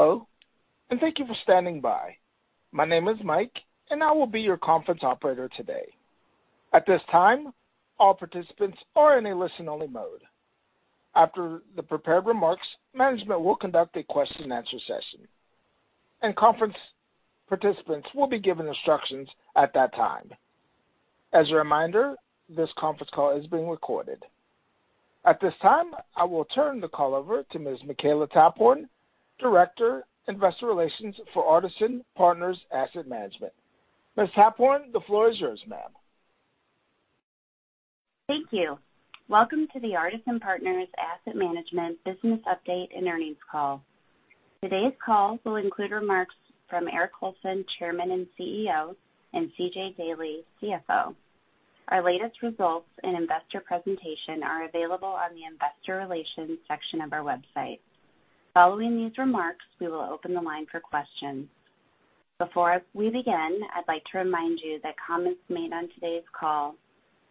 Hello, and thank you for standing by. My name is Mike, and I will be your conference operator today. At this time, all participants are in a listen-only mode. After the prepared remarks, management will conduct a question-and-answer session, and conference participants will be given instructions at that time. As a reminder, this conference call is being recorded. At this time, I will turn the call over to Ms. Makela Taphorn, Director, Investor Relations for Artisan Partners Asset Management. Ms. Taphorn, the floor is yours, ma'am. Thank you. Welcome to the Artisan Partners Asset Management business update and earnings call. Today's call will include remarks from Eric Colson, Chairman and CEO, and C.J. Daley, CFO. Our latest results and investor presentation are available on the investor relations section of our website. Following these remarks, we will open the line for questions. Before we begin, I'd like to remind you that comments made on today's call,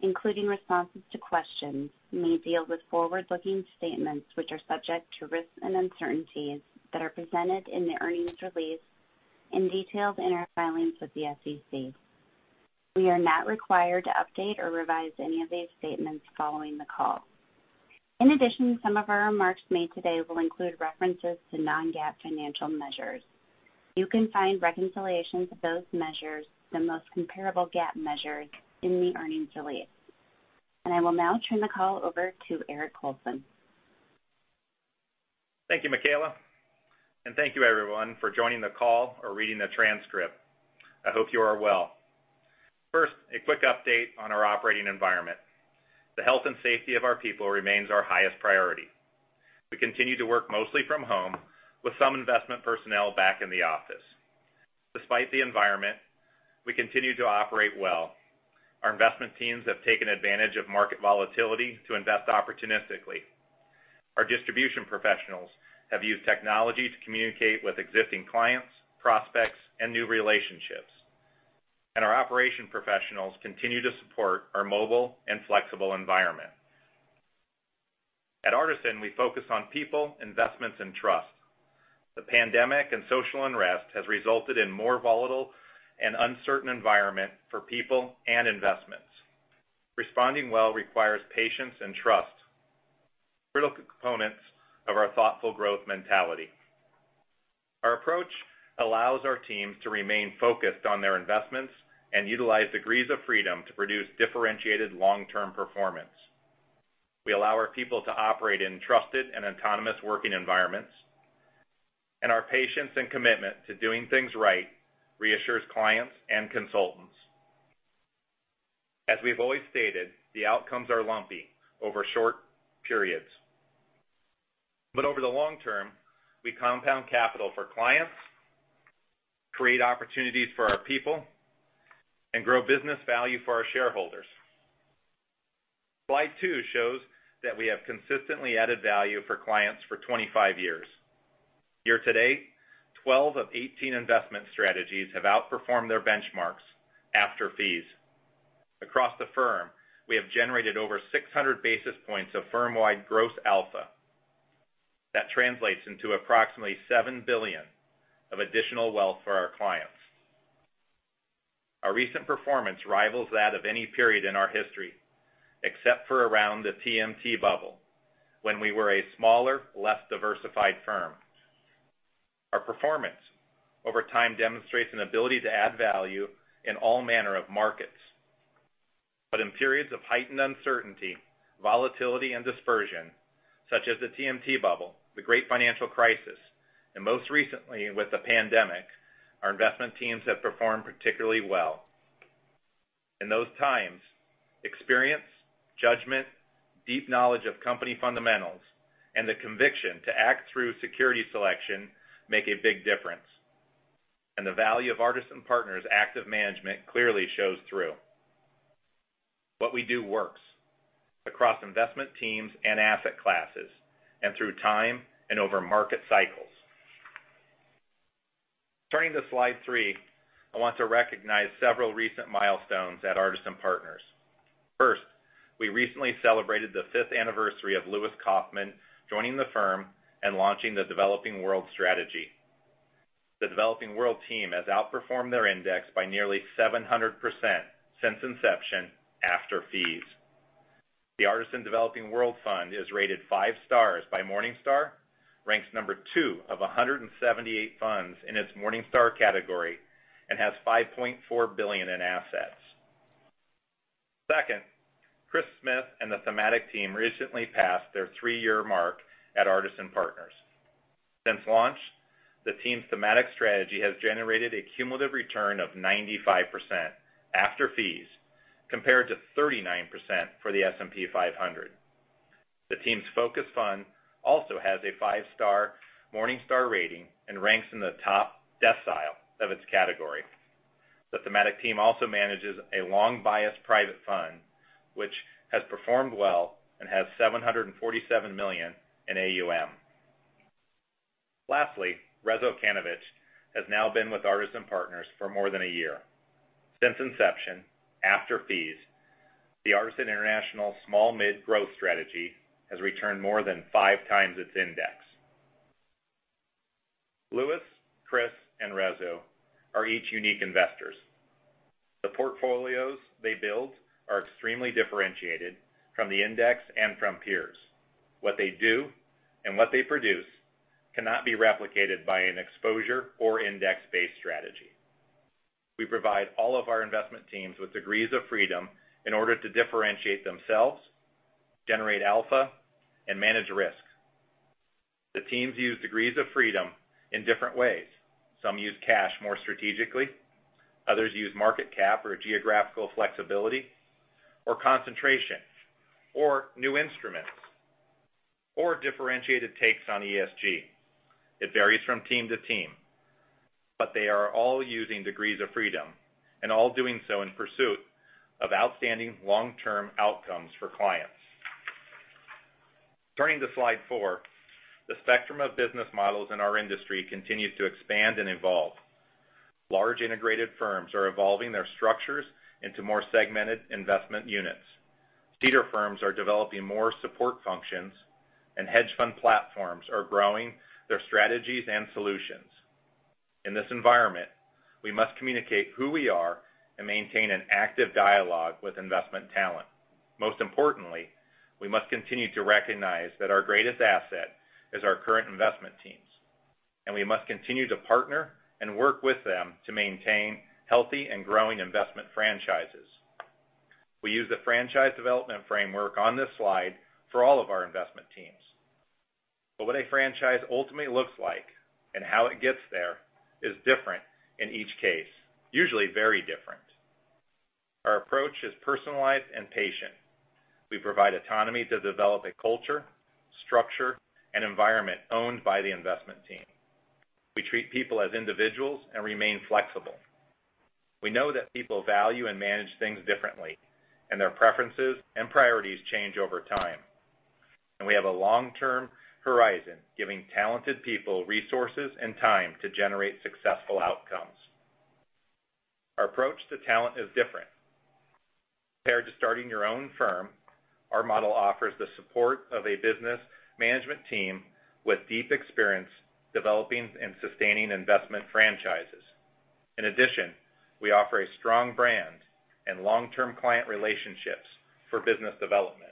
including responses to questions, may deal with forward-looking statements which are subject to risks and uncertainties that are presented in the earnings release and detailed in our filings with the SEC. We are not required to update or revise any of these statements following the call. Some of our remarks made today will include references to non-GAAP financial measures. You can find reconciliations of those measures to the most comparable GAAP measure in the earnings release. I will now turn the call over to Eric Colson. Thank you, Makela. Thank you, everyone, for joining the call or reading the transcript. I hope you are well. First, a quick update on our operating environment. The health and safety of our people remains our highest priority. We continue to work mostly from home, with some investment personnel back in the office. Despite the environment, we continue to operate well. Our investment teams have taken advantage of market volatility to invest opportunistically. Our distribution professionals have used technology to communicate with existing clients, prospects, and new relationships. Our operation professionals continue to support our mobile and flexible environment. At Artisan, we focus on people, investments, and trust. The pandemic and social unrest has resulted in a more volatile and uncertain environment for people and investments. Responding well requires patience and trust, critical components of our thoughtful growth mentality. Our approach allows our teams to remain focused on their investments and utilize degrees of freedom to produce differentiated long-term performance. We allow our people to operate in trusted and autonomous working environments, and our patience and commitment to doing things right reassures clients and consultants. As we've always stated, the outcomes are lumpy over short periods. Over the long term, we compound capital for clients, create opportunities for our people, and grow business value for our shareholders. Slide two shows that we have consistently added value for clients for 25 years. Year to date, 12 of 18 investment strategies have outperformed their benchmarks after fees. Across the firm, we have generated over 600 basis points of firm-wide gross alpha. That translates into approximately $7 billion of additional wealth for our clients. Our recent performance rivals that of any period in our history, except for around the TMT bubble, when we were a smaller, less diversified firm. Our performance over time demonstrates an ability to add value in all manner of markets. In periods of heightened uncertainty, volatility, and dispersion, such as the TMT bubble, the great financial crisis, and most recently with the pandemic, our investment teams have performed particularly well. In those times, experience, judgment, deep knowledge of company fundamentals, and the conviction to act through security selection make a big difference. The value of Artisan Partners' active management clearly shows through. What we do works across investment teams and asset classes, and through time and over market cycles. Turning to slide three, I want to recognize several recent milestones at Artisan Partners. First, we recently celebrated the fifth anniversary of Lewis Kaufman joining the firm and launching the Developing World strategy. The Developing World team has outperformed their index by nearly 700% since inception, after fees. The Artisan Developing World Fund is rated five stars by Morningstar, ranks number 2 of 178 funds in its Morningstar category, and has $5.4 billion in assets. Second, Chris Smith and the Thematic team recently passed their three-year mark at Artisan Partners. Since launch, the team's Thematic strategy has generated a cumulative return of 95% after fees, compared to 39% for the S&P 500. The team's Focus Fund also has a five-star Morningstar rating and ranks in the top decile of its category. The Thematic team also manages a long-biased private fund, which has performed well and has $747 million in AUM. Lastly, Rezo Kanovich has now been with Artisan Partners for more than a year. Since inception, after fees, The Artisan International Small-Mid Growth strategy has returned more than five times its index. Lewis, Chris, and Rezo are each unique investors. The portfolios they build are extremely differentiated from the index and from peers. What they do and what they produce cannot be replicated by an exposure or index-based strategy. We provide all of our investment teams with degrees of freedom in order to differentiate themselves, generate alpha, and manage risk. The teams use degrees of freedom in different ways. Some use cash more strategically. Others use market cap or geographical flexibility, or concentration, or new instruments, or differentiated takes on ESG. It varies from team to team. But they are all using degrees of freedom, and all doing so in pursuit of outstanding long-term outcomes for clients. Turning to slide four, the spectrum of business models in our industry continues to expand and evolve. Large integrated firms are evolving their structures into more segmented investment units. Seeder firms are developing more support functions. Hedge fund platforms are growing their strategies and solutions. In this environment, we must communicate who we are and maintain an active dialogue with investment talent. Most importantly, we must continue to recognize that our greatest asset is our current investment teams. We must continue to partner and work with them to maintain healthy and growing investment franchises. We use the franchise development framework on this slide for all of our investment teams. What a franchise ultimately looks like and how it gets there is different in each case, usually very different. Our approach is personalized and patient. We provide autonomy to develop a culture, structure, and environment owned by the investment team. We treat people as individuals and remain flexible. We know that people value and manage things differently, and their preferences and priorities change over time. We have a long-term horizon, giving talented people resources and time to generate successful outcomes. Our approach to talent is different. Compared to starting your own firm, our model offers the support of a business management team with deep experience developing and sustaining investment franchises. In addition, we offer a strong brand and long-term client relationships for business development.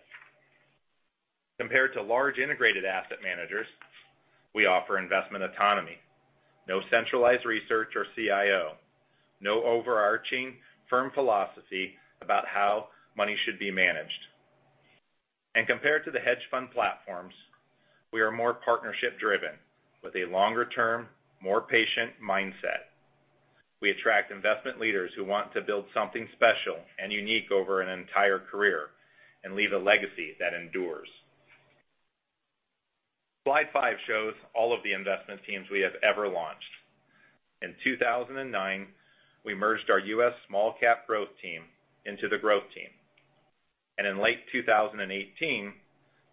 Compared to large integrated asset managers, we offer investment autonomy, no centralized research or CIO, no overarching firm philosophy about how money should be managed. Compared to the hedge fund platforms, we are more partnership-driven with a longer term, more patient mindset. We attract investment leaders who want to build something special and unique over an entire career and leave a legacy that endures. Slide five shows all of the investment teams we have ever launched. In 2009, we merged our U.S. Small-Cap Growth team into the Growth Team. In late 2018,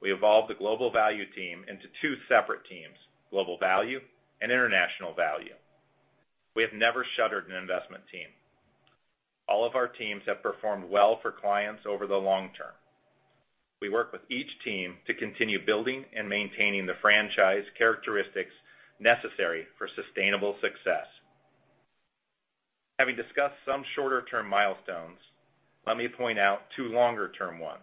we evolved the Global Value Team into two separate teams, Global Value and International Value. We have never shuttered an investment team. All of our teams have performed well for clients over the long term. We work with each team to continue building and maintaining the franchise characteristics necessary for sustainable success. Having discussed some shorter-term milestones, let me point out two longer-term ones.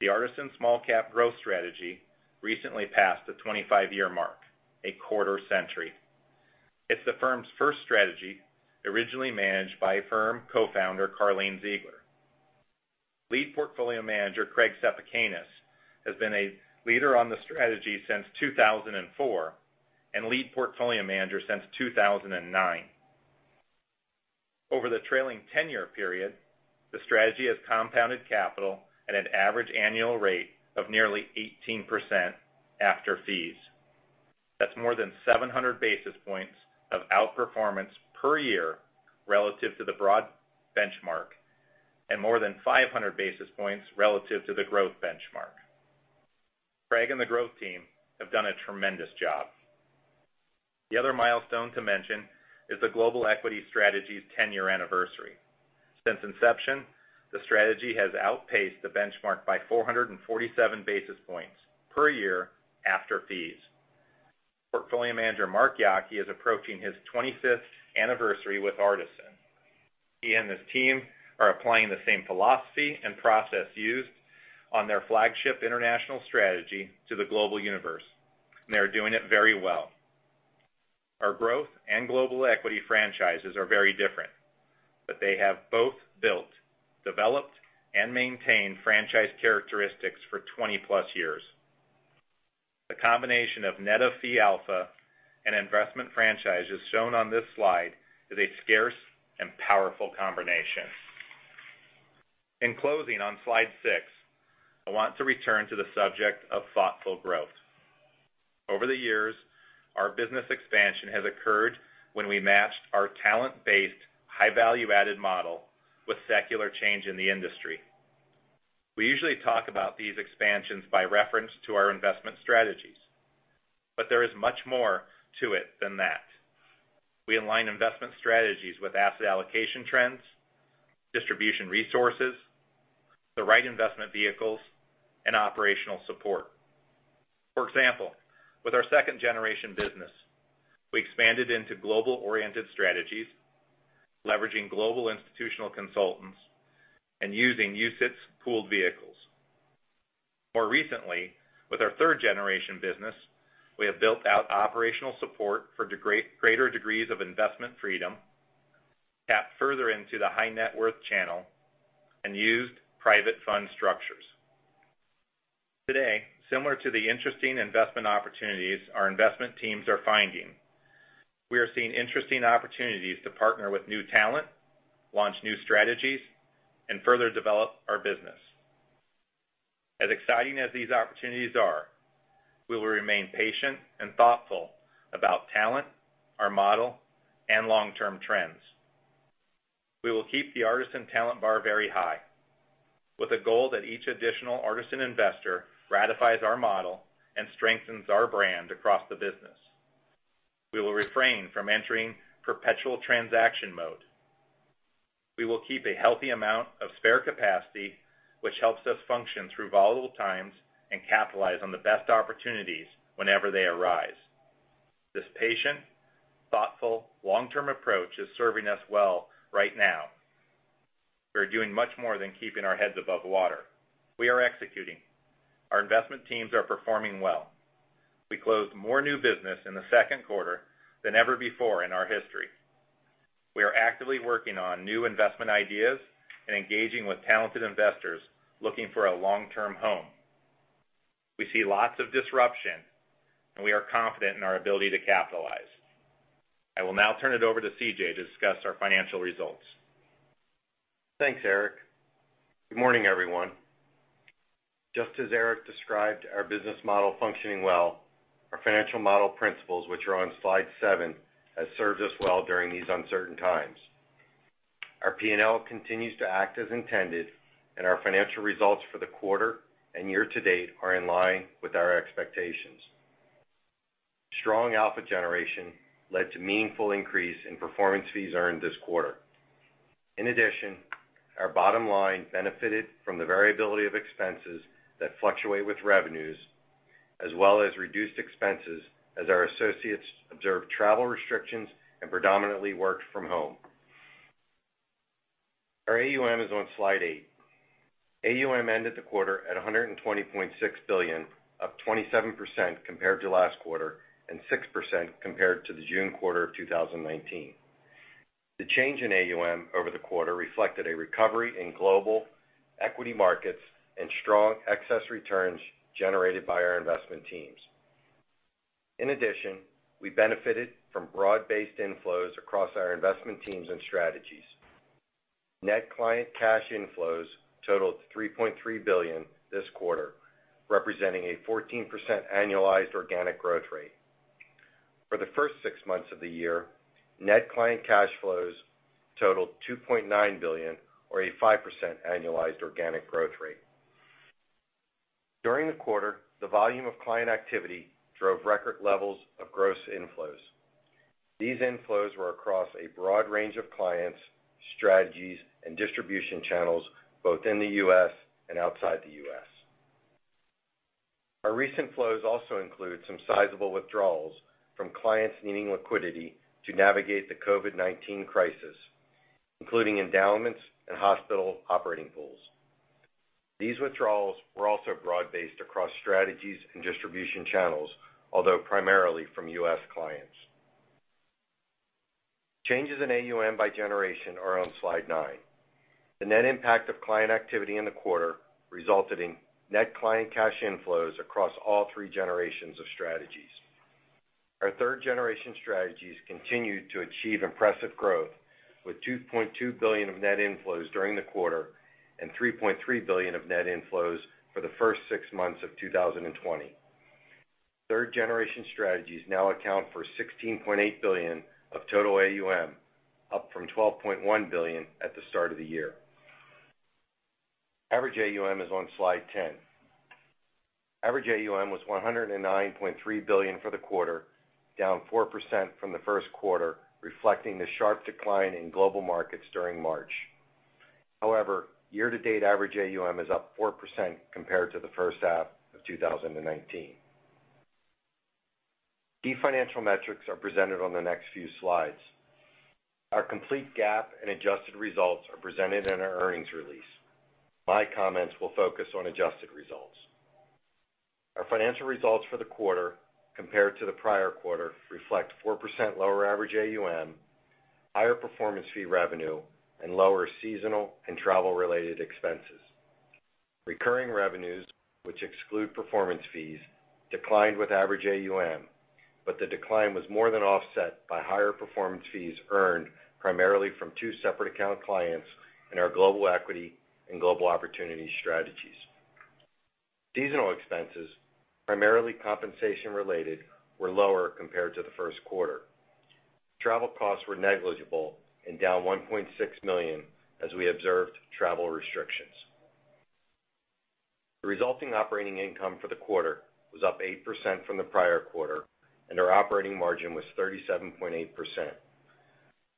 The Artisan Small-Cap Growth strategy recently passed the 25-year mark, a quarter-century. It's the firm's first strategy, originally managed by firm co-founder Carlene Ziegler. Lead portfolio manager Craigh Cepukenas has been a leader on the strategy since 2004 and lead portfolio manager since 2009. Over the trailing 10-year period, the strategy has compounded capital at an average annual rate of nearly 18% after fees. That's more than 700 basis points of outperformance per year relative to the broad benchmark and more than 500 basis points relative to the growth benchmark. Craigh and the growth team have done a tremendous job. The other milestone to mention is the Global Equity Strategy's 10-year anniversary. Since inception, the strategy has outpaced the benchmark by 447 basis points per year after fees. Portfolio Manager Mark Yockey is approaching his 25th anniversary with Artisan. He and his team are applying the same philosophy and process used on their flagship international strategy to the global universe, and they are doing it very well. Our growth and global equity franchises are very different, but they have both built, developed, and maintained franchise characteristics for 20+ years. The combination of net of fee alpha and investment franchises shown on this slide is a scarce and powerful combination. In closing, on slide six, I want to return to the subject of thoughtful growth. Over the years, our business expansion has occurred when we matched our talent-based, high value-added model with secular change in the industry. We usually talk about these expansions by reference to our investment strategies, but there is much more to it than that. We align investment strategies with asset allocation trends, distribution resources, the right investment vehicles, and operational support. For example, with our second-generation business, we expanded into global-oriented strategies, leveraging global institutional consultants, and using UCITS pooled vehicles. More recently, with our third-generation business, we have built out operational support for greater degrees of investment freedom, tapped further into the high net worth channel, and used private fund structures. Today, similar to the interesting investment opportunities our investment teams are finding, we are seeing interesting opportunities to partner with new talent, launch new strategies, and further develop our business. As exciting as these opportunities are, we will remain patient and thoughtful about talent, our model, and long-term trends. We will keep the Artisan talent bar very high, with a goal that each additional Artisan investor ratifies our model and strengthens our brand across the business. We will refrain from entering perpetual transaction mode. We will keep a healthy amount of spare capacity, which helps us function through volatile times and capitalize on the best opportunities whenever they arise. This patient, thoughtful, long-term approach is serving us well right now. We are doing much more than keeping our heads above water. We are executing. Our investment teams are performing well. We closed more new business in the second quarter than ever before in our history. We are actively working on new investment ideas and engaging with talented investors looking for a long-term home. We see lots of disruption, and we are confident in our ability to capitalize. I will now turn it over to C.J. To discuss our financial results. Thanks, Eric. Good morning, everyone. Just as Eric described our business model functioning well, our financial model principles, which are on slide seven, has served us well during these uncertain times. Our P&L continues to act as intended, and our financial results for the quarter and year to date are in line with our expectations. Strong alpha generation led to a meaningful increase in performance fees earned this quarter. In addition, our bottom line benefited from the variability of expenses that fluctuate with revenues, as well as reduced expenses as our associates observed travel restrictions and predominantly worked from home. Our AUM is on slide eight. AUM ended the quarter at $120.6 billion, up 27% compared to last quarter and 6% compared to the June quarter of 2019. The change in AUM over the quarter reflected a recovery in global equity markets and strong excess returns generated by our investment teams. In addition, we benefited from broad-based inflows across our investment teams and strategies. Net client cash inflows totaled $3.3 billion this quarter, representing a 14% annualized organic growth rate. For the first six months of the year, net client cash flows totaled $2.9 billion, or a 5% annualized organic growth rate. During the quarter, the volume of client activity drove record levels of gross inflows. These inflows were across a broad range of clients, strategies, and distribution channels, both in the U.S. and outside the U.S. Our recent flows also include some sizable withdrawals from clients needing liquidity to navigate the COVID-19 crisis, including endowments and hospital operating pools. These withdrawals were also broad-based across strategies and distribution channels, although primarily from U.S. clients. Changes in AUM by generation are on slide nine. The net impact of client activity in the quarter resulted in net client cash inflows across all three generations of strategies. Our third-generation strategies continued to achieve impressive growth, with $2.2 billion of net inflows during the quarter and $3.3 billion of net inflows for the first six months of 2020. Third-generation strategies now account for $16.8 billion of total AUM, up from $12.1 billion at the start of the year. Average AUM is on slide 10. Average AUM was $109.3 billion for the quarter, down 4% from the first quarter, reflecting the sharp decline in global markets during March. Year-to-date average AUM is up 4% compared to the first half of 2019. Key financial metrics are presented on the next few slides. Our complete GAAP and adjusted results are presented in our earnings release. My comments will focus on adjusted results. Our financial results for the quarter compared to the prior quarter reflect 4% lower average AUM, higher performance fee revenue, and lower seasonal and travel-related expenses. Recurring revenues, which exclude performance fees, declined with average AUM, but the decline was more than offset by higher performance fees earned primarily from two separate account clients in our Global Equity and Global Opportunities strategies. Seasonal expenses, primarily compensation related, were lower compared to the first quarter. Travel costs were negligible and down $1.6 million as we observed travel restrictions. The resulting operating income for the quarter was up 8% from the prior quarter, and our operating margin was 37.8%.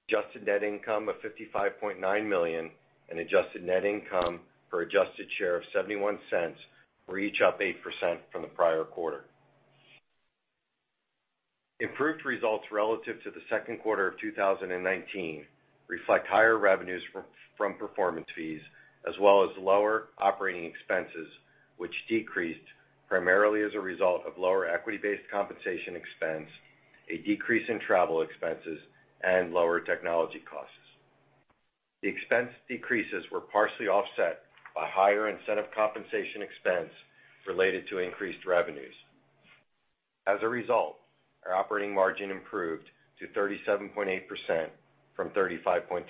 Adjusted net income of $55.9 million and adjusted net income per adjusted share of $0.71 were each up 8% from the prior quarter. Improved results relative to the second quarter of 2019 reflect higher revenues from performance fees as well as lower operating expenses, which decreased primarily as a result of lower equity-based compensation expense, a decrease in travel expenses, and lower technology costs. The expense decreases were partially offset by higher incentive compensation expense related to increased revenues. As a result, our operating margin improved to 37.8% from 35.3%.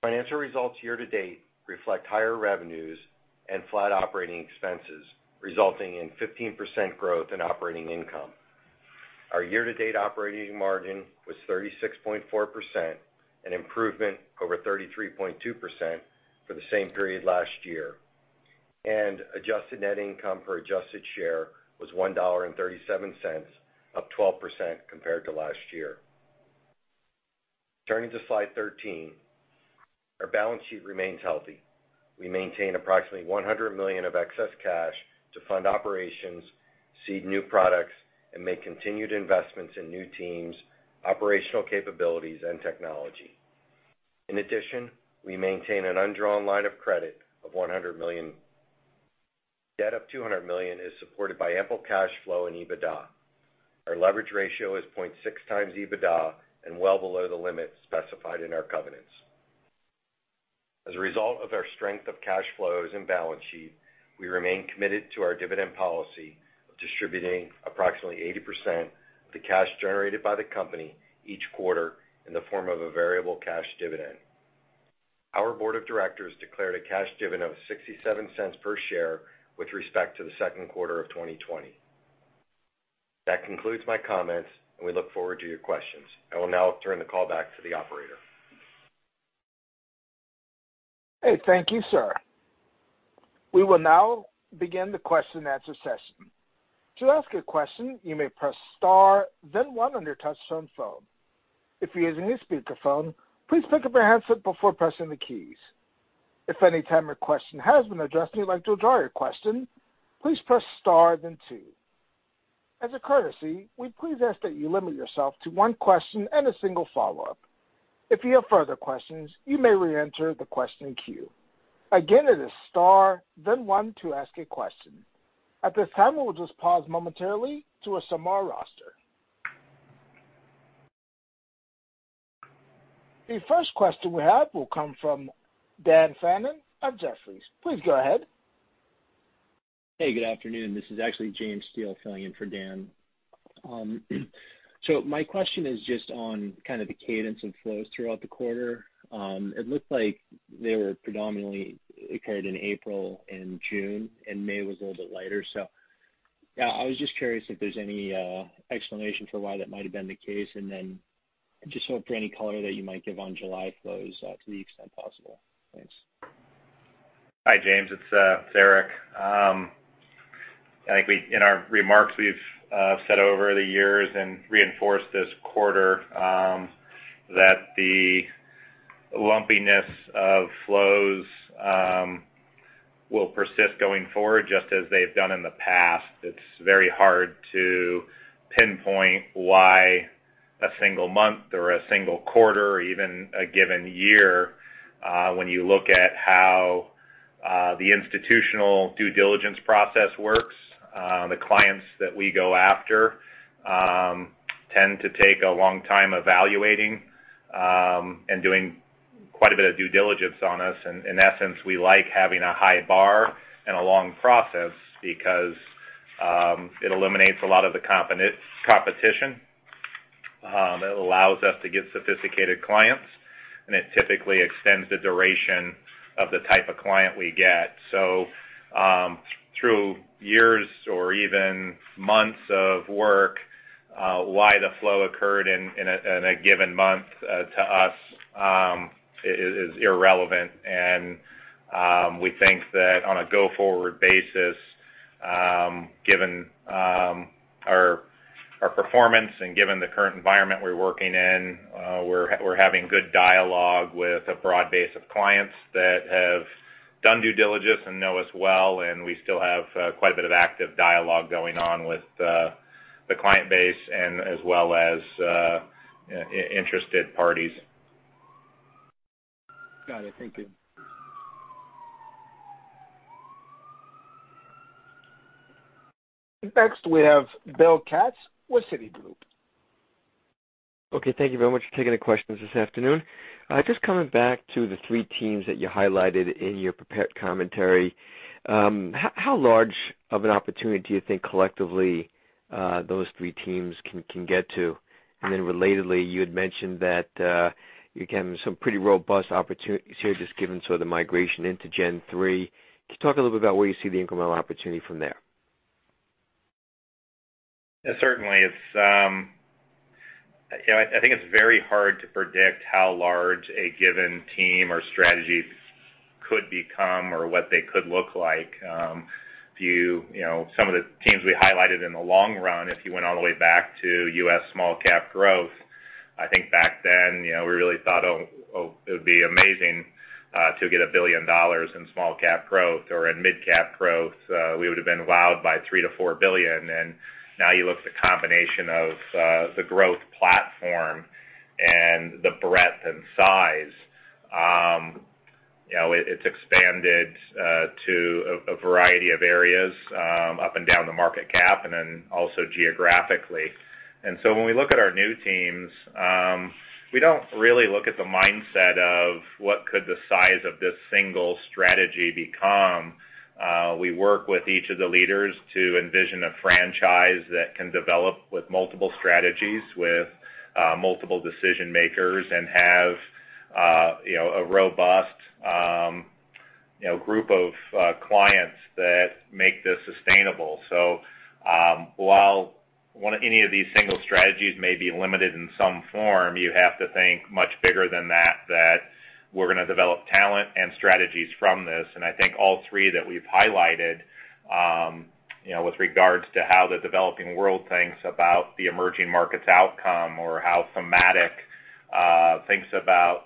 Financial results year to date reflect higher revenues and flat operating expenses, resulting in 15% growth in operating income. Our year to date operating margin was 36.4%, an improvement over 33.2% for the same period last year, and adjusted net income per adjusted share was $1.37, up 12% compared to last year. Turning to slide 13, our balance sheet remains healthy. We maintain approximately $100 million of excess cash to fund operations, seed new products, and make continued investments in new teams, operational capabilities, and technology. In addition, we maintain an undrawn line of credit of $100 million. Debt of $200 million is supported by ample cash flow and EBITDA. Our leverage ratio is 0.6x EBITDA and well below the limit specified in our covenants. As a result of our strength of cash flows and balance sheet, we remain committed to our dividend policy of distributing approximately 80% of the cash generated by the company each quarter in the form of a variable cash dividend. Our board of directors declared a cash dividend of $0.67 per share with respect to the second quarter of 2020. That concludes my comments, and we look forward to your questions. I will now turn the call back to the operator. Hey, thank you, sir. We will now begin the question and answer session. To ask a question, you may press star then one on your touch-tone phone. If you're using a speakerphone, please pick up your handset before pressing the keys. If at any time your question has been addressed and you'd like to withdraw your question, please press star then two. As a courtesy, we please ask that you limit yourself to one question and a single follow-up. If you have further questions, you may reenter the question queue. Again, it is star then one to ask a question. At this time, we'll just pause momentarily to assemble our roster. The first question we have will come from Dan Fannon of Jefferies. Please go ahead. Hey, good afternoon. This is actually James Steele filling in for Dan. My question is just on kind of the cadence and flows throughout the quarter. It looked like they were predominantly occurred in April and June, and May was a little bit lighter. I was just curious if there's any explanation for why that might have been the case. Just hope for any color that you might give on July flows to the extent possible. Thanks. Hi, James. It's Eric. I think in our remarks we've said over the years and reinforced this quarter that the lumpiness of flows will persist going forward, just as they've done in the past. It's very hard to pinpoint why a single month or a single quarter or even a given year, when you look at how the institutional due diligence process works. The clients that we go after tend to take a long time evaluating, and doing quite a bit of due diligence on us. In essence, we like having a high bar and a long process because it eliminates a lot of the competition. It allows us to get sophisticated clients, and it typically extends the duration of the type of client we get. Through years or even months of work, why the flow occurred in a given month, to us, is irrelevant. We think that on a go-forward basis, given our performance and given the current environment we're working in, we're having good dialogue with a broad base of clients that have done due diligence and know us well. We still have quite a bit of active dialogue going on with the client base and as well as interested parties. Got it. Thank you. Next we have Bill Katz with Citigroup. Okay. Thank you very much for taking the questions this afternoon. Just coming back to the three teams that you highlighted in your prepared commentary. How large of an opportunity do you think collectively those three teams can get to? Relatedly, you had mentioned that you're getting some pretty robust opportunities here, just given sort of migration into Gen 3. Can you talk a little bit about where you see the incremental opportunity from there? Certainly. I think it's very hard to predict how large a given team or strategy could become or what they could look like. Some of the teams we highlighted in the long run, if you went all the way back to U.S. Small-Cap Growth, I think back then, we really thought, "Oh, it would be amazing to get $1 billion in Small-Cap Growth or in Mid-Cap Growth." We would've been wowed by $3 billion-$4 billion. Now you look at the combination of the growth platform and the breadth and size. It's expanded to a variety of areas up and down the market cap, and then also geographically. When we look at our new teams, we don't really look at the mindset of what could the size of this single strategy become. We work with each of the leaders to envision a franchise that can develop with multiple strategies, with multiple decision-makers, and have a robust group of clients that make this sustainable. While any of these single strategies may be limited in some form, you have to think much bigger than that we're going to develop talent and strategies from this. I think all three that we've highlighted, with regards to how the Developing World thinks about the emerging markets outcome or how Thematic thinks about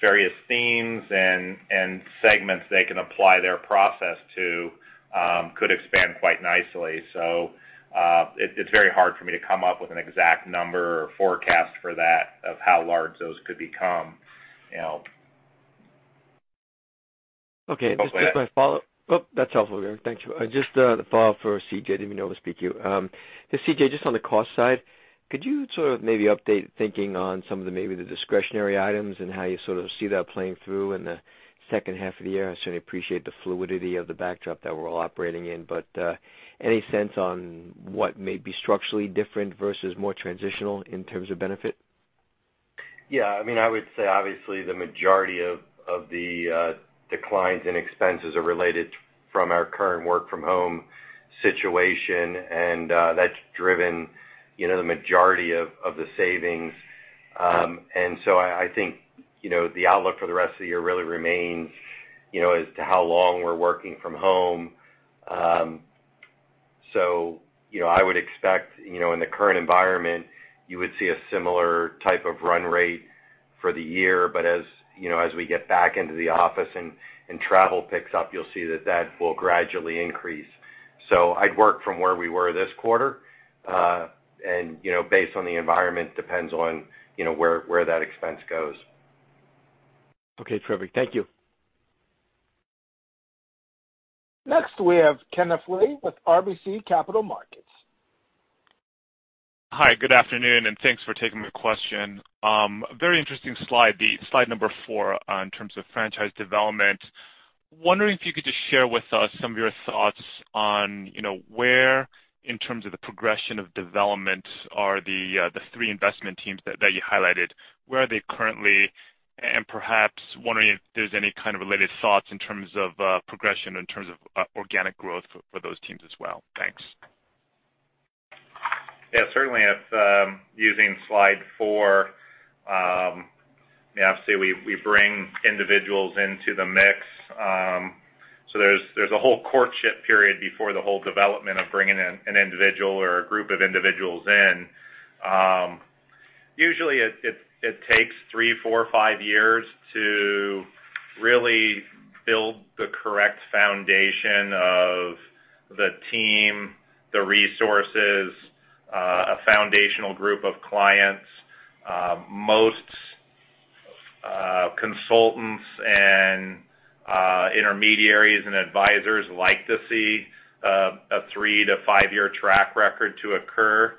various themes and segments they can apply their process to, could expand quite nicely. It's very hard for me to come up with an exact number or forecast for that, of how large those could become. Okay. Just a quick follow-up. Oh, that's helpful. Thank you. Just the follow-up for C.J.. Didn't mean to over-speak you. C.J., just on the cost side, could you sort of maybe update thinking on some of maybe the discretionary items and how you sort of see that playing through in the second half of the year? I certainly appreciate the fluidity of the backdrop that we're all operating in. Any sense on what may be structurally different versus more transitional in terms of benefit? I would say, obviously, the majority of the declines in expenses are related from our current work-from-home situation. That's driven the majority of the savings. I think, the outlook for the rest of the year really remains as to how long we're working from home. I would expect, in the current environment, you would see a similar type of run rate for the year. As we get back into the office and travel picks up, you'll see that will gradually increase. I'd work from where we were this quarter. Based on the environment, depends on where that expense goes. Okay, terrific. Thank you. Next, we have Kenneth Lee with RBC Capital Markets. Hi, good afternoon. Thanks for taking my question. Very interesting slide number four, in terms of franchise development. Wondering if you could just share with us some of your thoughts on where, in terms of the progression of development, are the three investment teams that you highlighted. Where are they currently? Perhaps wondering if there's any kind of related thoughts in terms of progression, in terms of organic growth for those teams as well. Thanks. Yeah, certainly. Using slide four, obviously, we bring individuals into the mix. There's a whole courtship period before the whole development of bringing in an individual or a group of individuals in. Usually, it takes three, four, five years to really build the correct foundation of the team, the resources, a foundational group of clients. Most consultants and intermediaries and advisors like to see a three- to five-year track record to occur.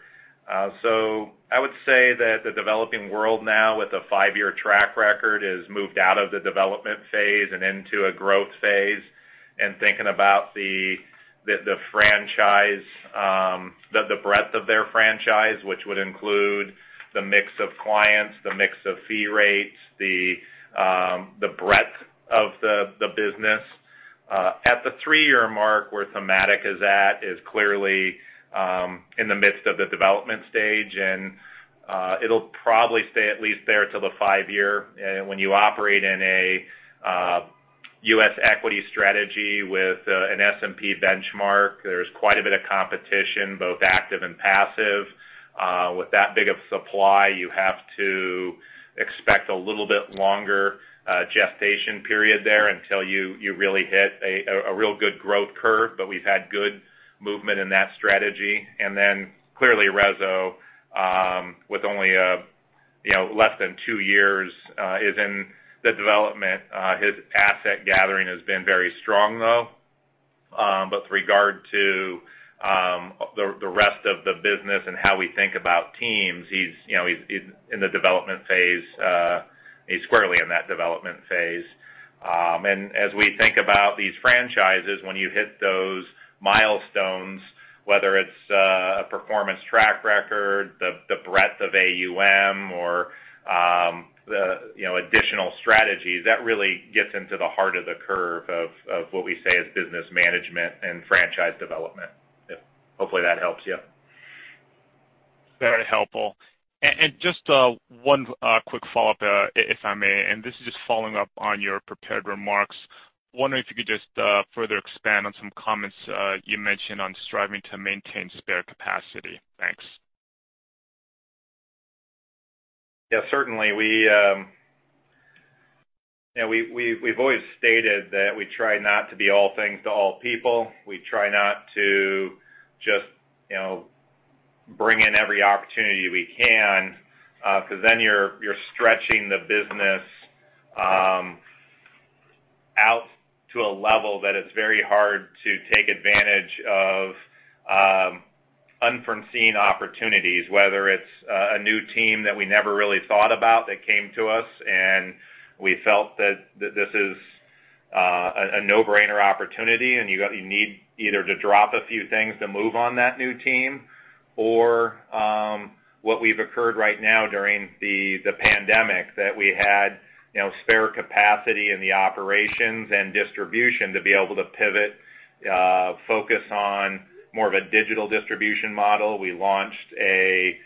I would say that the Developing World now, with a five-year track record, has moved out of the development phase and into a growth phase. Thinking about the breadth of their franchise, which would include the mix of clients, the mix of fee rates, the breadth of the business. At the three-year mark, where Thematic is at, is clearly in the midst of the development stage, and it'll probably stay at least there till the five-year. When you operate in a U.S. equity strategy with an S&P benchmark, there's quite a bit of competition, both active and passive. With that big of supply, you have to expect a little bit longer gestation period there until you really hit a real good growth curve. We've had good movement in that strategy. Clearly Rezo, with only less than two years, is in the development. His asset gathering has been very strong, though. With regard to the rest of the business and how we think about teams, he's in the development phase. He's squarely in that development phase. As we think about these franchises, when you hit those milestones, whether it's a performance track record, the breadth of AUM, or the additional strategies, that really gets into the heart of the curve of what we say is business management and franchise development. Hopefully, that helps you. Very helpful. Just one quick follow-up, if I may, and this is just following up on your prepared remarks. Wondering if you could just further expand on some comments you mentioned on striving to maintain spare capacity. Thanks. Yeah, certainly. We've always stated that we try not to be all things to all people. We try not to just bring in every opportunity we can, because then you're stretching the business out to a level that it's very hard to take advantage of unforeseen opportunities. Whether it's a new team that we never really thought about that came to us, and we felt that this is a no-brainer opportunity, and you need either to drop a few things to move on that new team. Or what we've occurred right now during the pandemic, that we had spare capacity in the operations and distribution to be able to pivot, focus on more of a digital distribution model. We launched a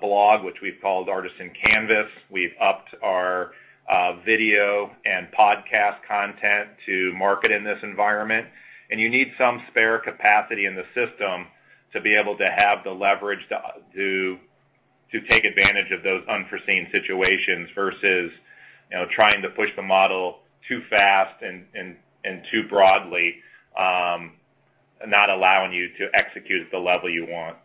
blog, which we've called Artisan Canvas. We've upped our video and podcast content to market in this environment. You need some spare capacity in the system to be able to have the leverage to take advantage of those unforeseen situations versus trying to push the model too fast and too broadly, not allowing you to execute at the level you want.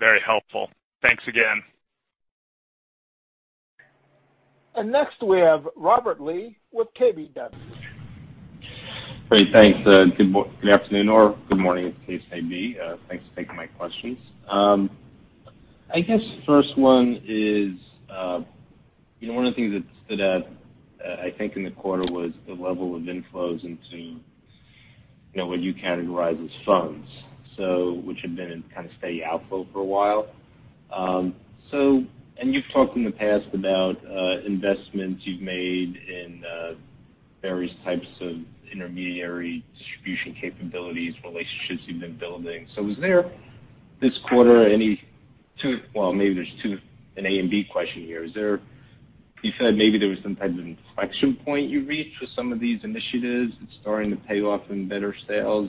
Very helpful. Thanks again. Next we have Robert Lee with KBW. Great. Thanks. Good afternoon or good morning, as the case may be. Thanks for taking my questions. I guess first one is, one of the things that stood out, I think, in the quarter was the level of inflows into what you categorize as funds. Which had been in kind of steady outflow for a while. You've talked in the past about investments you've made in various types of intermediary distribution capabilities, relationships you've been building. Was there, this quarter, maybe there's two, an A and B question here? You said maybe there was some type of inflection point you reached with some of these initiatives. It's starting to pay off in better sales.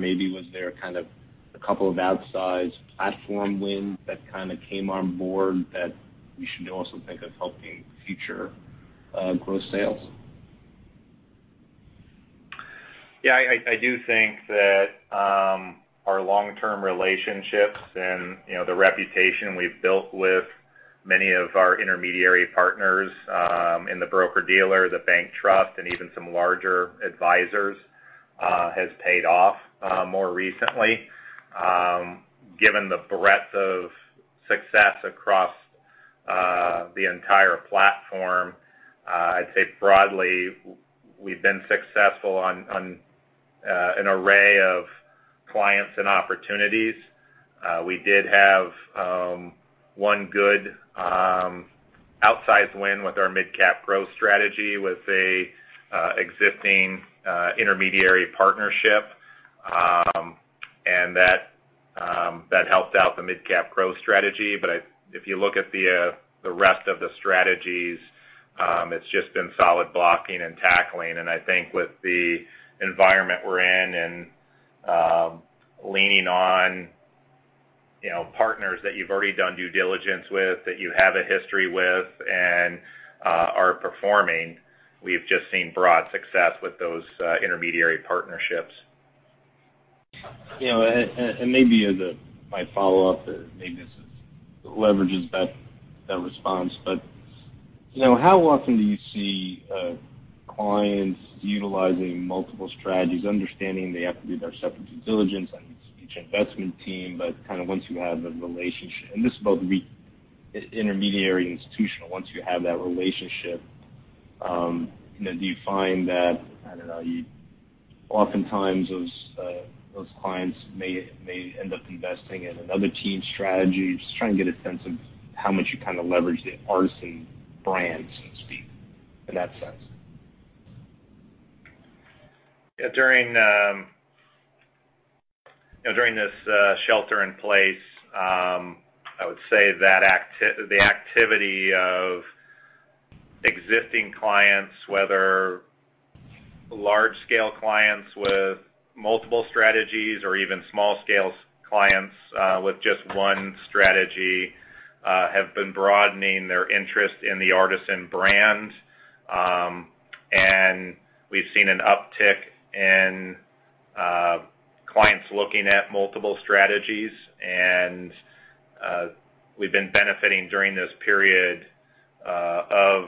Maybe was there kind of a couple of outsized platform wins that kind of came on board that we should also think of helping future growth sales? Yeah, I do think that our long-term relationships and the reputation we've built with many of our intermediary partners in the broker-dealer, the bank trust, and even some larger advisors, has paid off more recently. Given the breadth of success across the entire platform, I'd say broadly, we've been successful on an array of clients and opportunities. We did have one good outsized win with our Mid-Cap Growth strategy with an existing intermediary partnership. That helped out the Mid-Cap Growth strategy. If you look at the rest of the strategies, it's just been solid blocking and tackling. I think with the environment we're in and leaning on partners that you've already done due diligence with, that you have a history with and are performing, we've just seen broad success with those intermediary partnerships. Yeah. Maybe my follow-up, maybe this leverages that response, but how often do you see clients utilizing multiple strategies, understanding they have to do their separate due diligence on each investment team, but kind of once you have the relationship, and this is both intermediary and institutional, once you have that relationship, do you find that, I don't know, oftentimes those clients may end up investing in another team's strategy? Just trying to get a sense of how much you kind of leverage the Artisan brand, so to speak, in that sense. During this shelter in place, I would say the activity of existing clients, whether large-scale clients with multiple strategies or even small-scale clients with just one strategy, have been broadening their interest in the Artisan brand. We've seen an uptick in clients looking at multiple strategies. We've been benefiting during this period of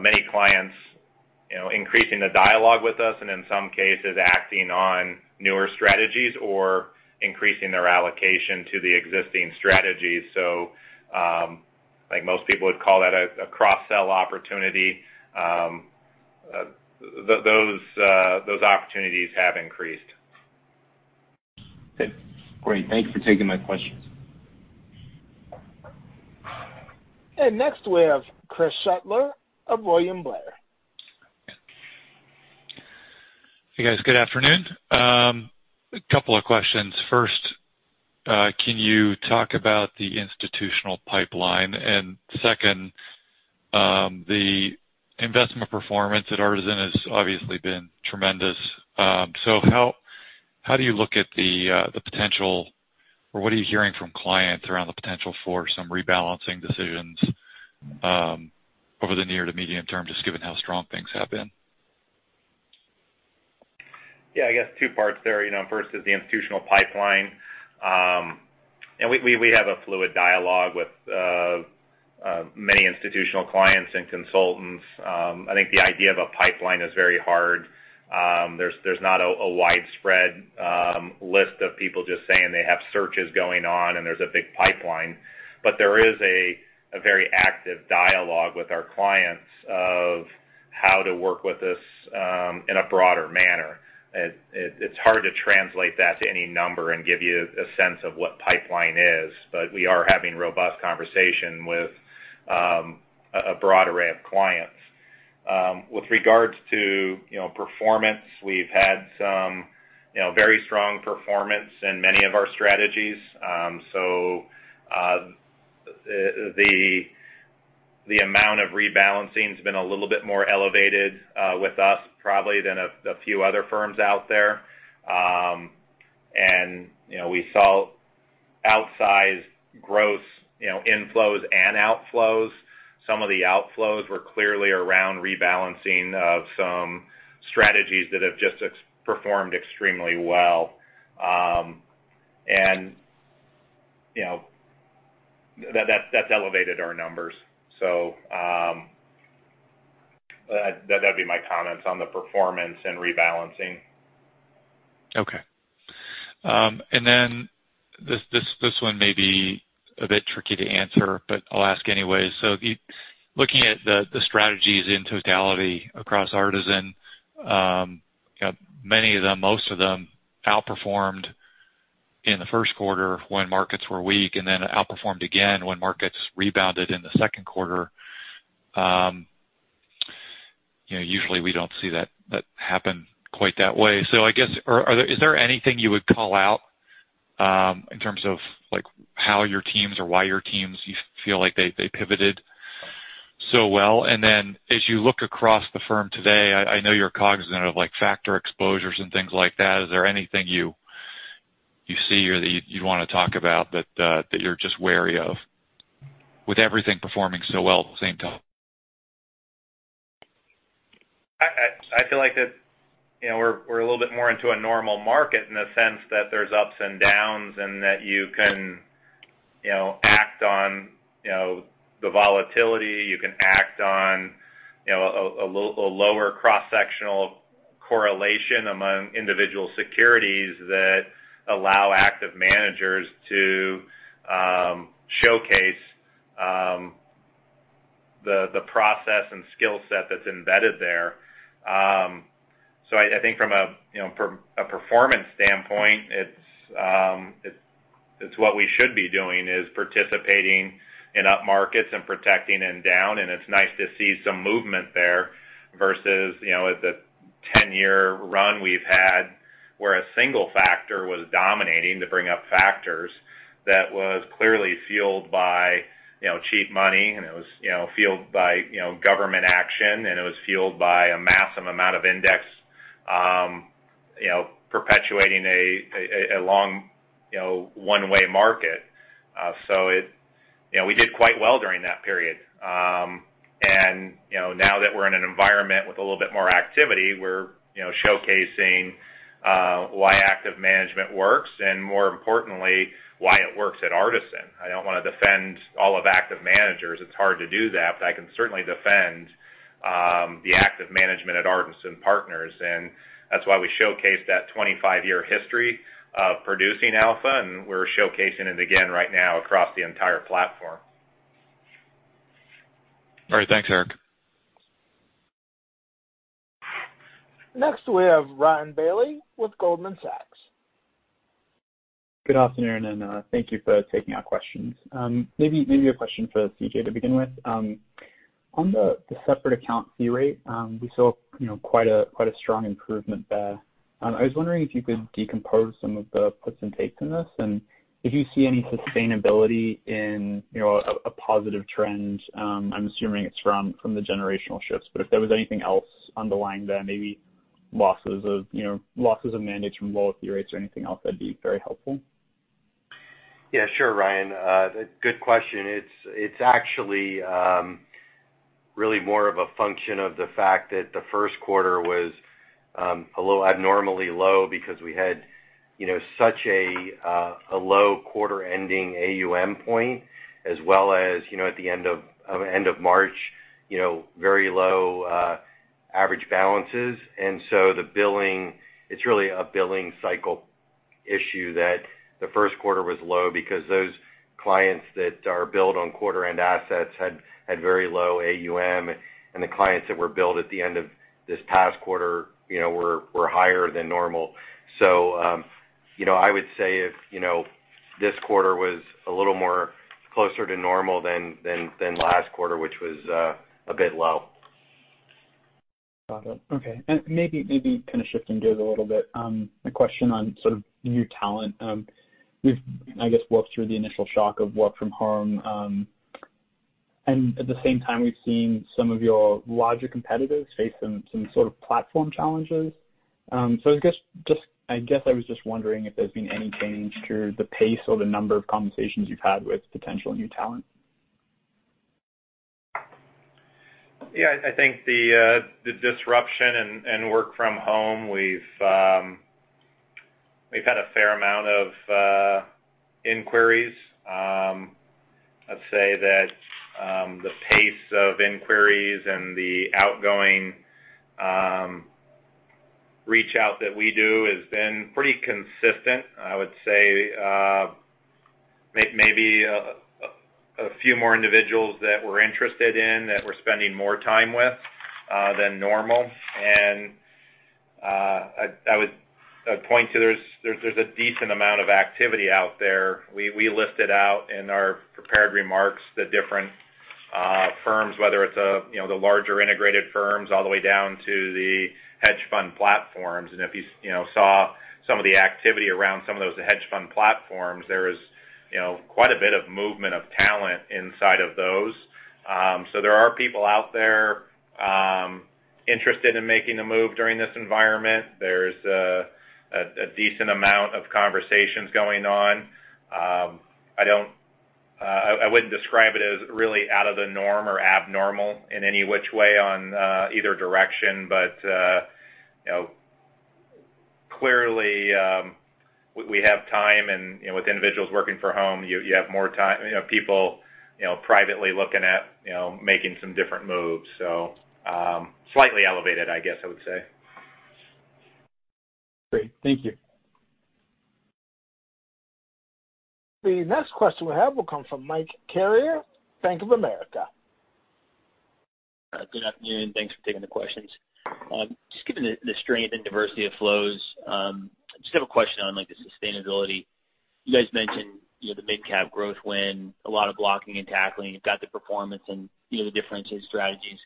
many clients increasing the dialogue with us, and in some cases, acting on newer strategies or increasing their allocation to the existing strategies. I think most people would call that a cross-sell opportunity. Those opportunities have increased. Okay. Great. Thank you for taking my questions. Next, we have Chris Shutler of William Blair. Hey, guys. Good afternoon. A couple of questions. First, can you talk about the institutional pipeline? Second, the investment performance at Artisan has obviously been tremendous. How do you look at the potential, or what are you hearing from clients around the potential for some rebalancing decisions over the near to medium term, just given how strong things have been? Yeah, I guess two parts there. First is the institutional pipeline. We have a fluid dialogue with many institutional clients and consultants. I think the idea of a pipeline is very hard. There's not a widespread list of people just saying they have searches going on and there's a big pipeline. There is a very active dialogue with our clients of how to work with us in a broader manner. It's hard to translate that to any number and give you a sense of what pipeline is, but we are having robust conversation with a broad array of clients. With regards to performance, we've had some very strong performance in many of our strategies. The amount of rebalancing has been a little bit more elevated with us, probably, than a few other firms out there. We saw outsized gross inflows and outflows. Some of the outflows were clearly around rebalancing of some strategies that have just performed extremely well. That's elevated our numbers. That'd be my comments on the performance and rebalancing. Okay. This one may be a bit tricky to answer, but I'll ask anyway. Looking at the strategies in totality across Artisan, many of them, most of them outperformed in the first quarter when markets were weak, outperformed again when markets rebounded in the second quarter. Usually we don't see that happen quite that way. I guess, is there anything you would call out in terms of how your teams or why your teams, you feel like they pivoted so well? As you look across the firm today, I know you're cognizant of factor exposures and things like that. Is there anything you see or that you'd want to talk about that you're just wary of, with everything performing so well at the same time? I feel like that we're a little bit more into a normal market in the sense that there's ups and downs and that you can act on the volatility. You can act on a lower cross-sectional correlation among individual securities that allow active managers to showcase the process and skill set that's embedded there. I think from a performance standpoint, it's what we should be doing, is participating in up markets and protecting in down. It's nice to see some movement there versus the 10-year run we've had where a single factor was dominating to bring up factors that was clearly fueled by cheap money, and it was fueled by government action, and it was fueled by a massive amount of index perpetuating a long one-way market. We did quite well during that period. Now that we're in an environment with a little bit more activity, we're showcasing why active management works, and more importantly, why it works at Artisan. I don't want to defend all of active managers. It's hard to do that. I can certainly defend the active management at Artisan Partners. That's why we showcase that 25-year history of producing alpha, and we're showcasing it again right now across the entire platform. All right. Thanks, Eric. Next, we have Ryan Bailey with Goldman Sachs. Good afternoon. Thank you for taking our questions. Maybe a question for C.J. to begin with. On the separate account fee rate, we saw quite a strong improvement there. I was wondering if you could decompose some of the puts and takes in this, and if you see any sustainability in a positive trend. I'm assuming it's from the generational shifts, but if there was anything else underlying there, maybe losses of mandates from lower fee rates or anything else, that'd be very helpful. Yeah, sure, Ryan. Good question. It's actually really more of a function of the fact that the first quarter was a little abnormally low because we had such a low quarter-ending AUM point, as well as at the end of March, very low average balances. It's really a billing cycle issue that the first quarter was low because those clients that are billed on quarter-end assets had very low AUM, and the clients that were billed at the end of this past quarter were higher than normal. I would say if this quarter was a little more closer to normal than last quarter, which was a bit low. Got it. Okay. Maybe kind of shifting gears a little bit. A question on sort of new talent. We've, I guess, worked through the initial shock of work from home. At the same time, we've seen some of your larger competitors face some sort of platform challenges. I guess I was just wondering if there's been any change to the pace or the number of conversations you've had with potential new talent. Yeah, I think the disruption and work from home, we've had a fair amount of inquiries. I'd say that the pace of inquiries and the outgoing reach out that we do has been pretty consistent. I would say maybe a few more individuals that we're interested in, that we're spending more time with than normal. I would point to there's a decent amount of activity out there. We listed out in our prepared remarks the different firms, whether it's the larger integrated firms, all the way down to the hedge fund platforms. If you saw some of the activity around some of those hedge fund platforms, there was quite a bit of movement of talent inside of those. There are people out there interested in making a move during this environment. There's a decent amount of conversations going on. I wouldn't describe it as really out of the norm or abnormal in any which way on either direction. Clearly, we have time, and with individuals working for home, you have more time. You have people privately looking at making some different moves. Slightly elevated, I guess I would say. Great. Thank you. The next question we have will come from Mike Carrier, Bank of America. Good afternoon. Thanks for taking the questions. Just given the strength and diversity of flows, I just have a question on the sustainability. You guys mentioned the U.S. Mid-Cap Growth win, a lot of blocking and tackling. You've got the performance and the difference in strategies.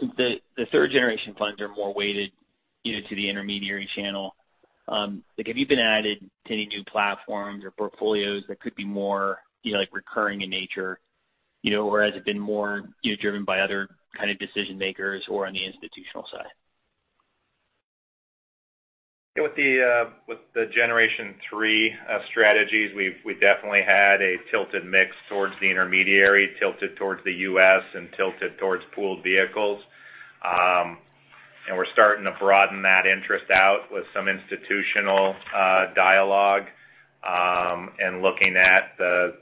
Since the third-generation funds are more weighted to the intermediary channel, have you been added to any new platforms or portfolios that could be more recurring in nature? Or has it been more driven by other kind of decision-makers who are on the institutional side? With the generation three strategies, we've definitely had a tilted mix towards the intermediary, tilted towards the U.S., and tilted towards pooled vehicles. We're starting to broaden that interest out with some institutional dialogue. Looking at the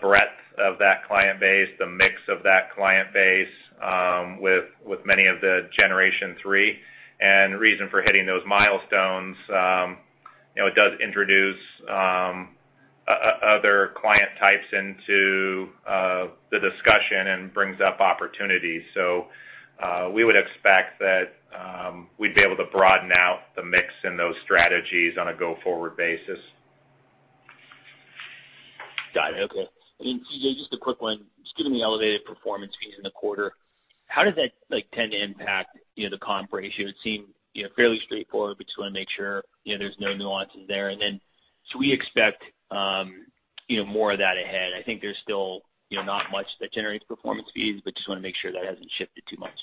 breadth of that client base, the mix of that client base with many of the generation three. The reason for hitting those milestones, it does introduce other client types into the discussion and brings up opportunities. We would expect that we'd be able to broaden out the mix in those strategies on a go-forward basis. Got it. Okay. C.J., just a quick one. Just given the elevated performance fees in the quarter, how does that tend to impact the comp ratio? It seemed fairly straightforward, but just want to make sure there's no nuances there. Should we expect more of that ahead? I think there's still not much that generates performance fees, but just want to make sure that hasn't shifted too much.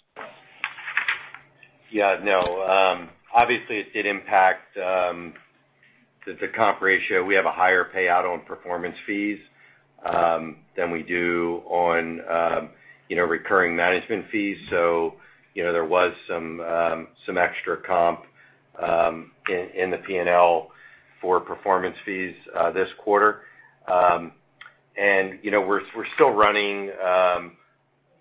Yeah, no. Obviously, it did impact the comp ratio. We have a higher payout on performance fees than we do on recurring management fees. There was some extra comp in the P&L for performance fees this quarter. We're still running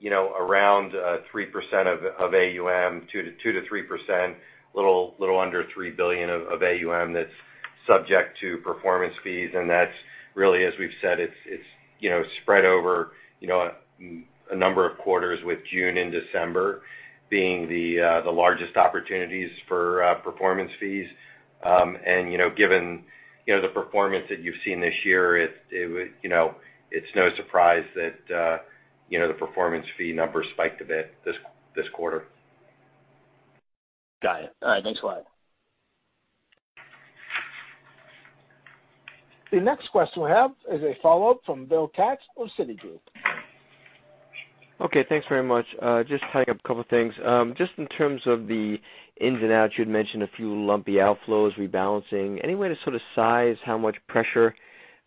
around 3% of AUM, 2%-3%, little under $3 billion of AUM that's subject to performance fees. That's really, as we've said, it's spread over a number of quarters with June and December being the largest opportunities for performance fees. Given the performance that you've seen this year, it's no surprise that the performance fee numbers spiked a bit this quarter. Got it. All right. Thanks a lot. The next question we have is a follow-up from Bill Katz of Citigroup. Okay. Thanks very much. Just tying up a couple of things. Just in terms of the ins and outs, you'd mentioned a few lumpy outflows, rebalancing. Any way to sort of size how much pressure,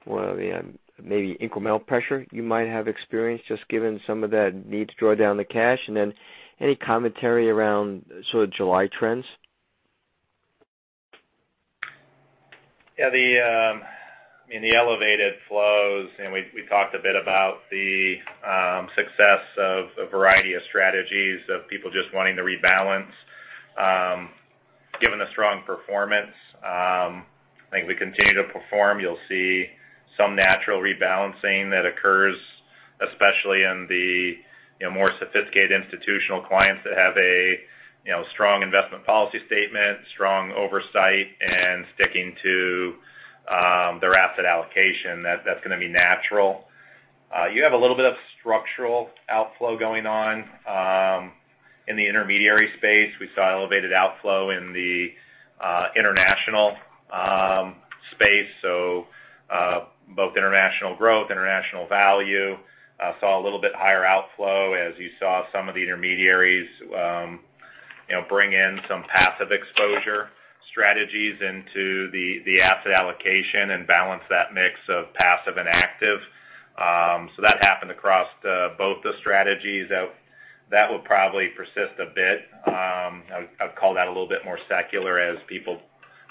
maybe incremental pressure you might have experienced, just given some of that need to draw down the cash? Any commentary around sort of July trends? Yeah. The elevated flows, and we talked a bit about the success of a variety of strategies, of people just wanting to rebalance. Given the strong performance I think we continue to perform. You'll see some natural rebalancing that occurs. Especially in the more sophisticated institutional clients that have a strong investment policy statement, strong oversight, and sticking to their asset allocation. That's going to be natural. You have a little bit of structural outflow going on in the intermediary space. We saw elevated outflow in the international space. Both International Growth, International Value, saw a little bit higher outflow as you saw some of the intermediaries bring in some passive exposure strategies into the asset allocation and balance that mix of passive and active. That happened across both the strategies. That would probably persist a bit. I'd call that a little bit more secular as people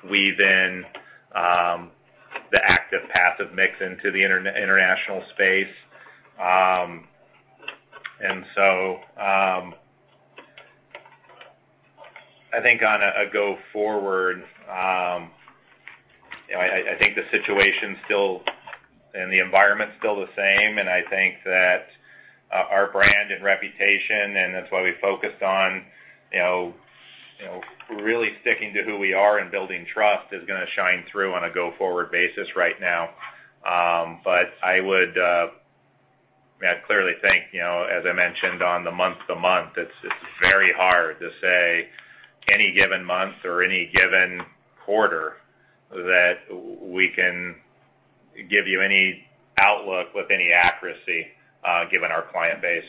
weave in the active-passive mix into the international space. I think on a go-forward, I think the situation still, and the environment's still the same, and I think that our brand and reputation, and that's why we focused on really sticking to who we are and building trust is going to shine through on a go-forward basis right now. I would clearly think, as I mentioned, on the month-to-month, it's very hard to say any given month or any given quarter that we can give you any outlook with any accuracy given our client base.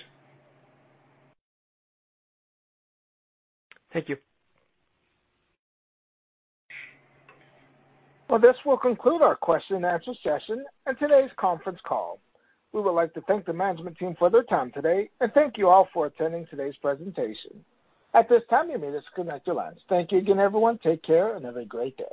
Thank you. Well, this will conclude our question and answer session and today's conference call. We would like to thank the management team for their time today, and thank you all for attending today's presentation. At this time, you may disconnect your lines. Thank you again, everyone. Take care, and have a great day.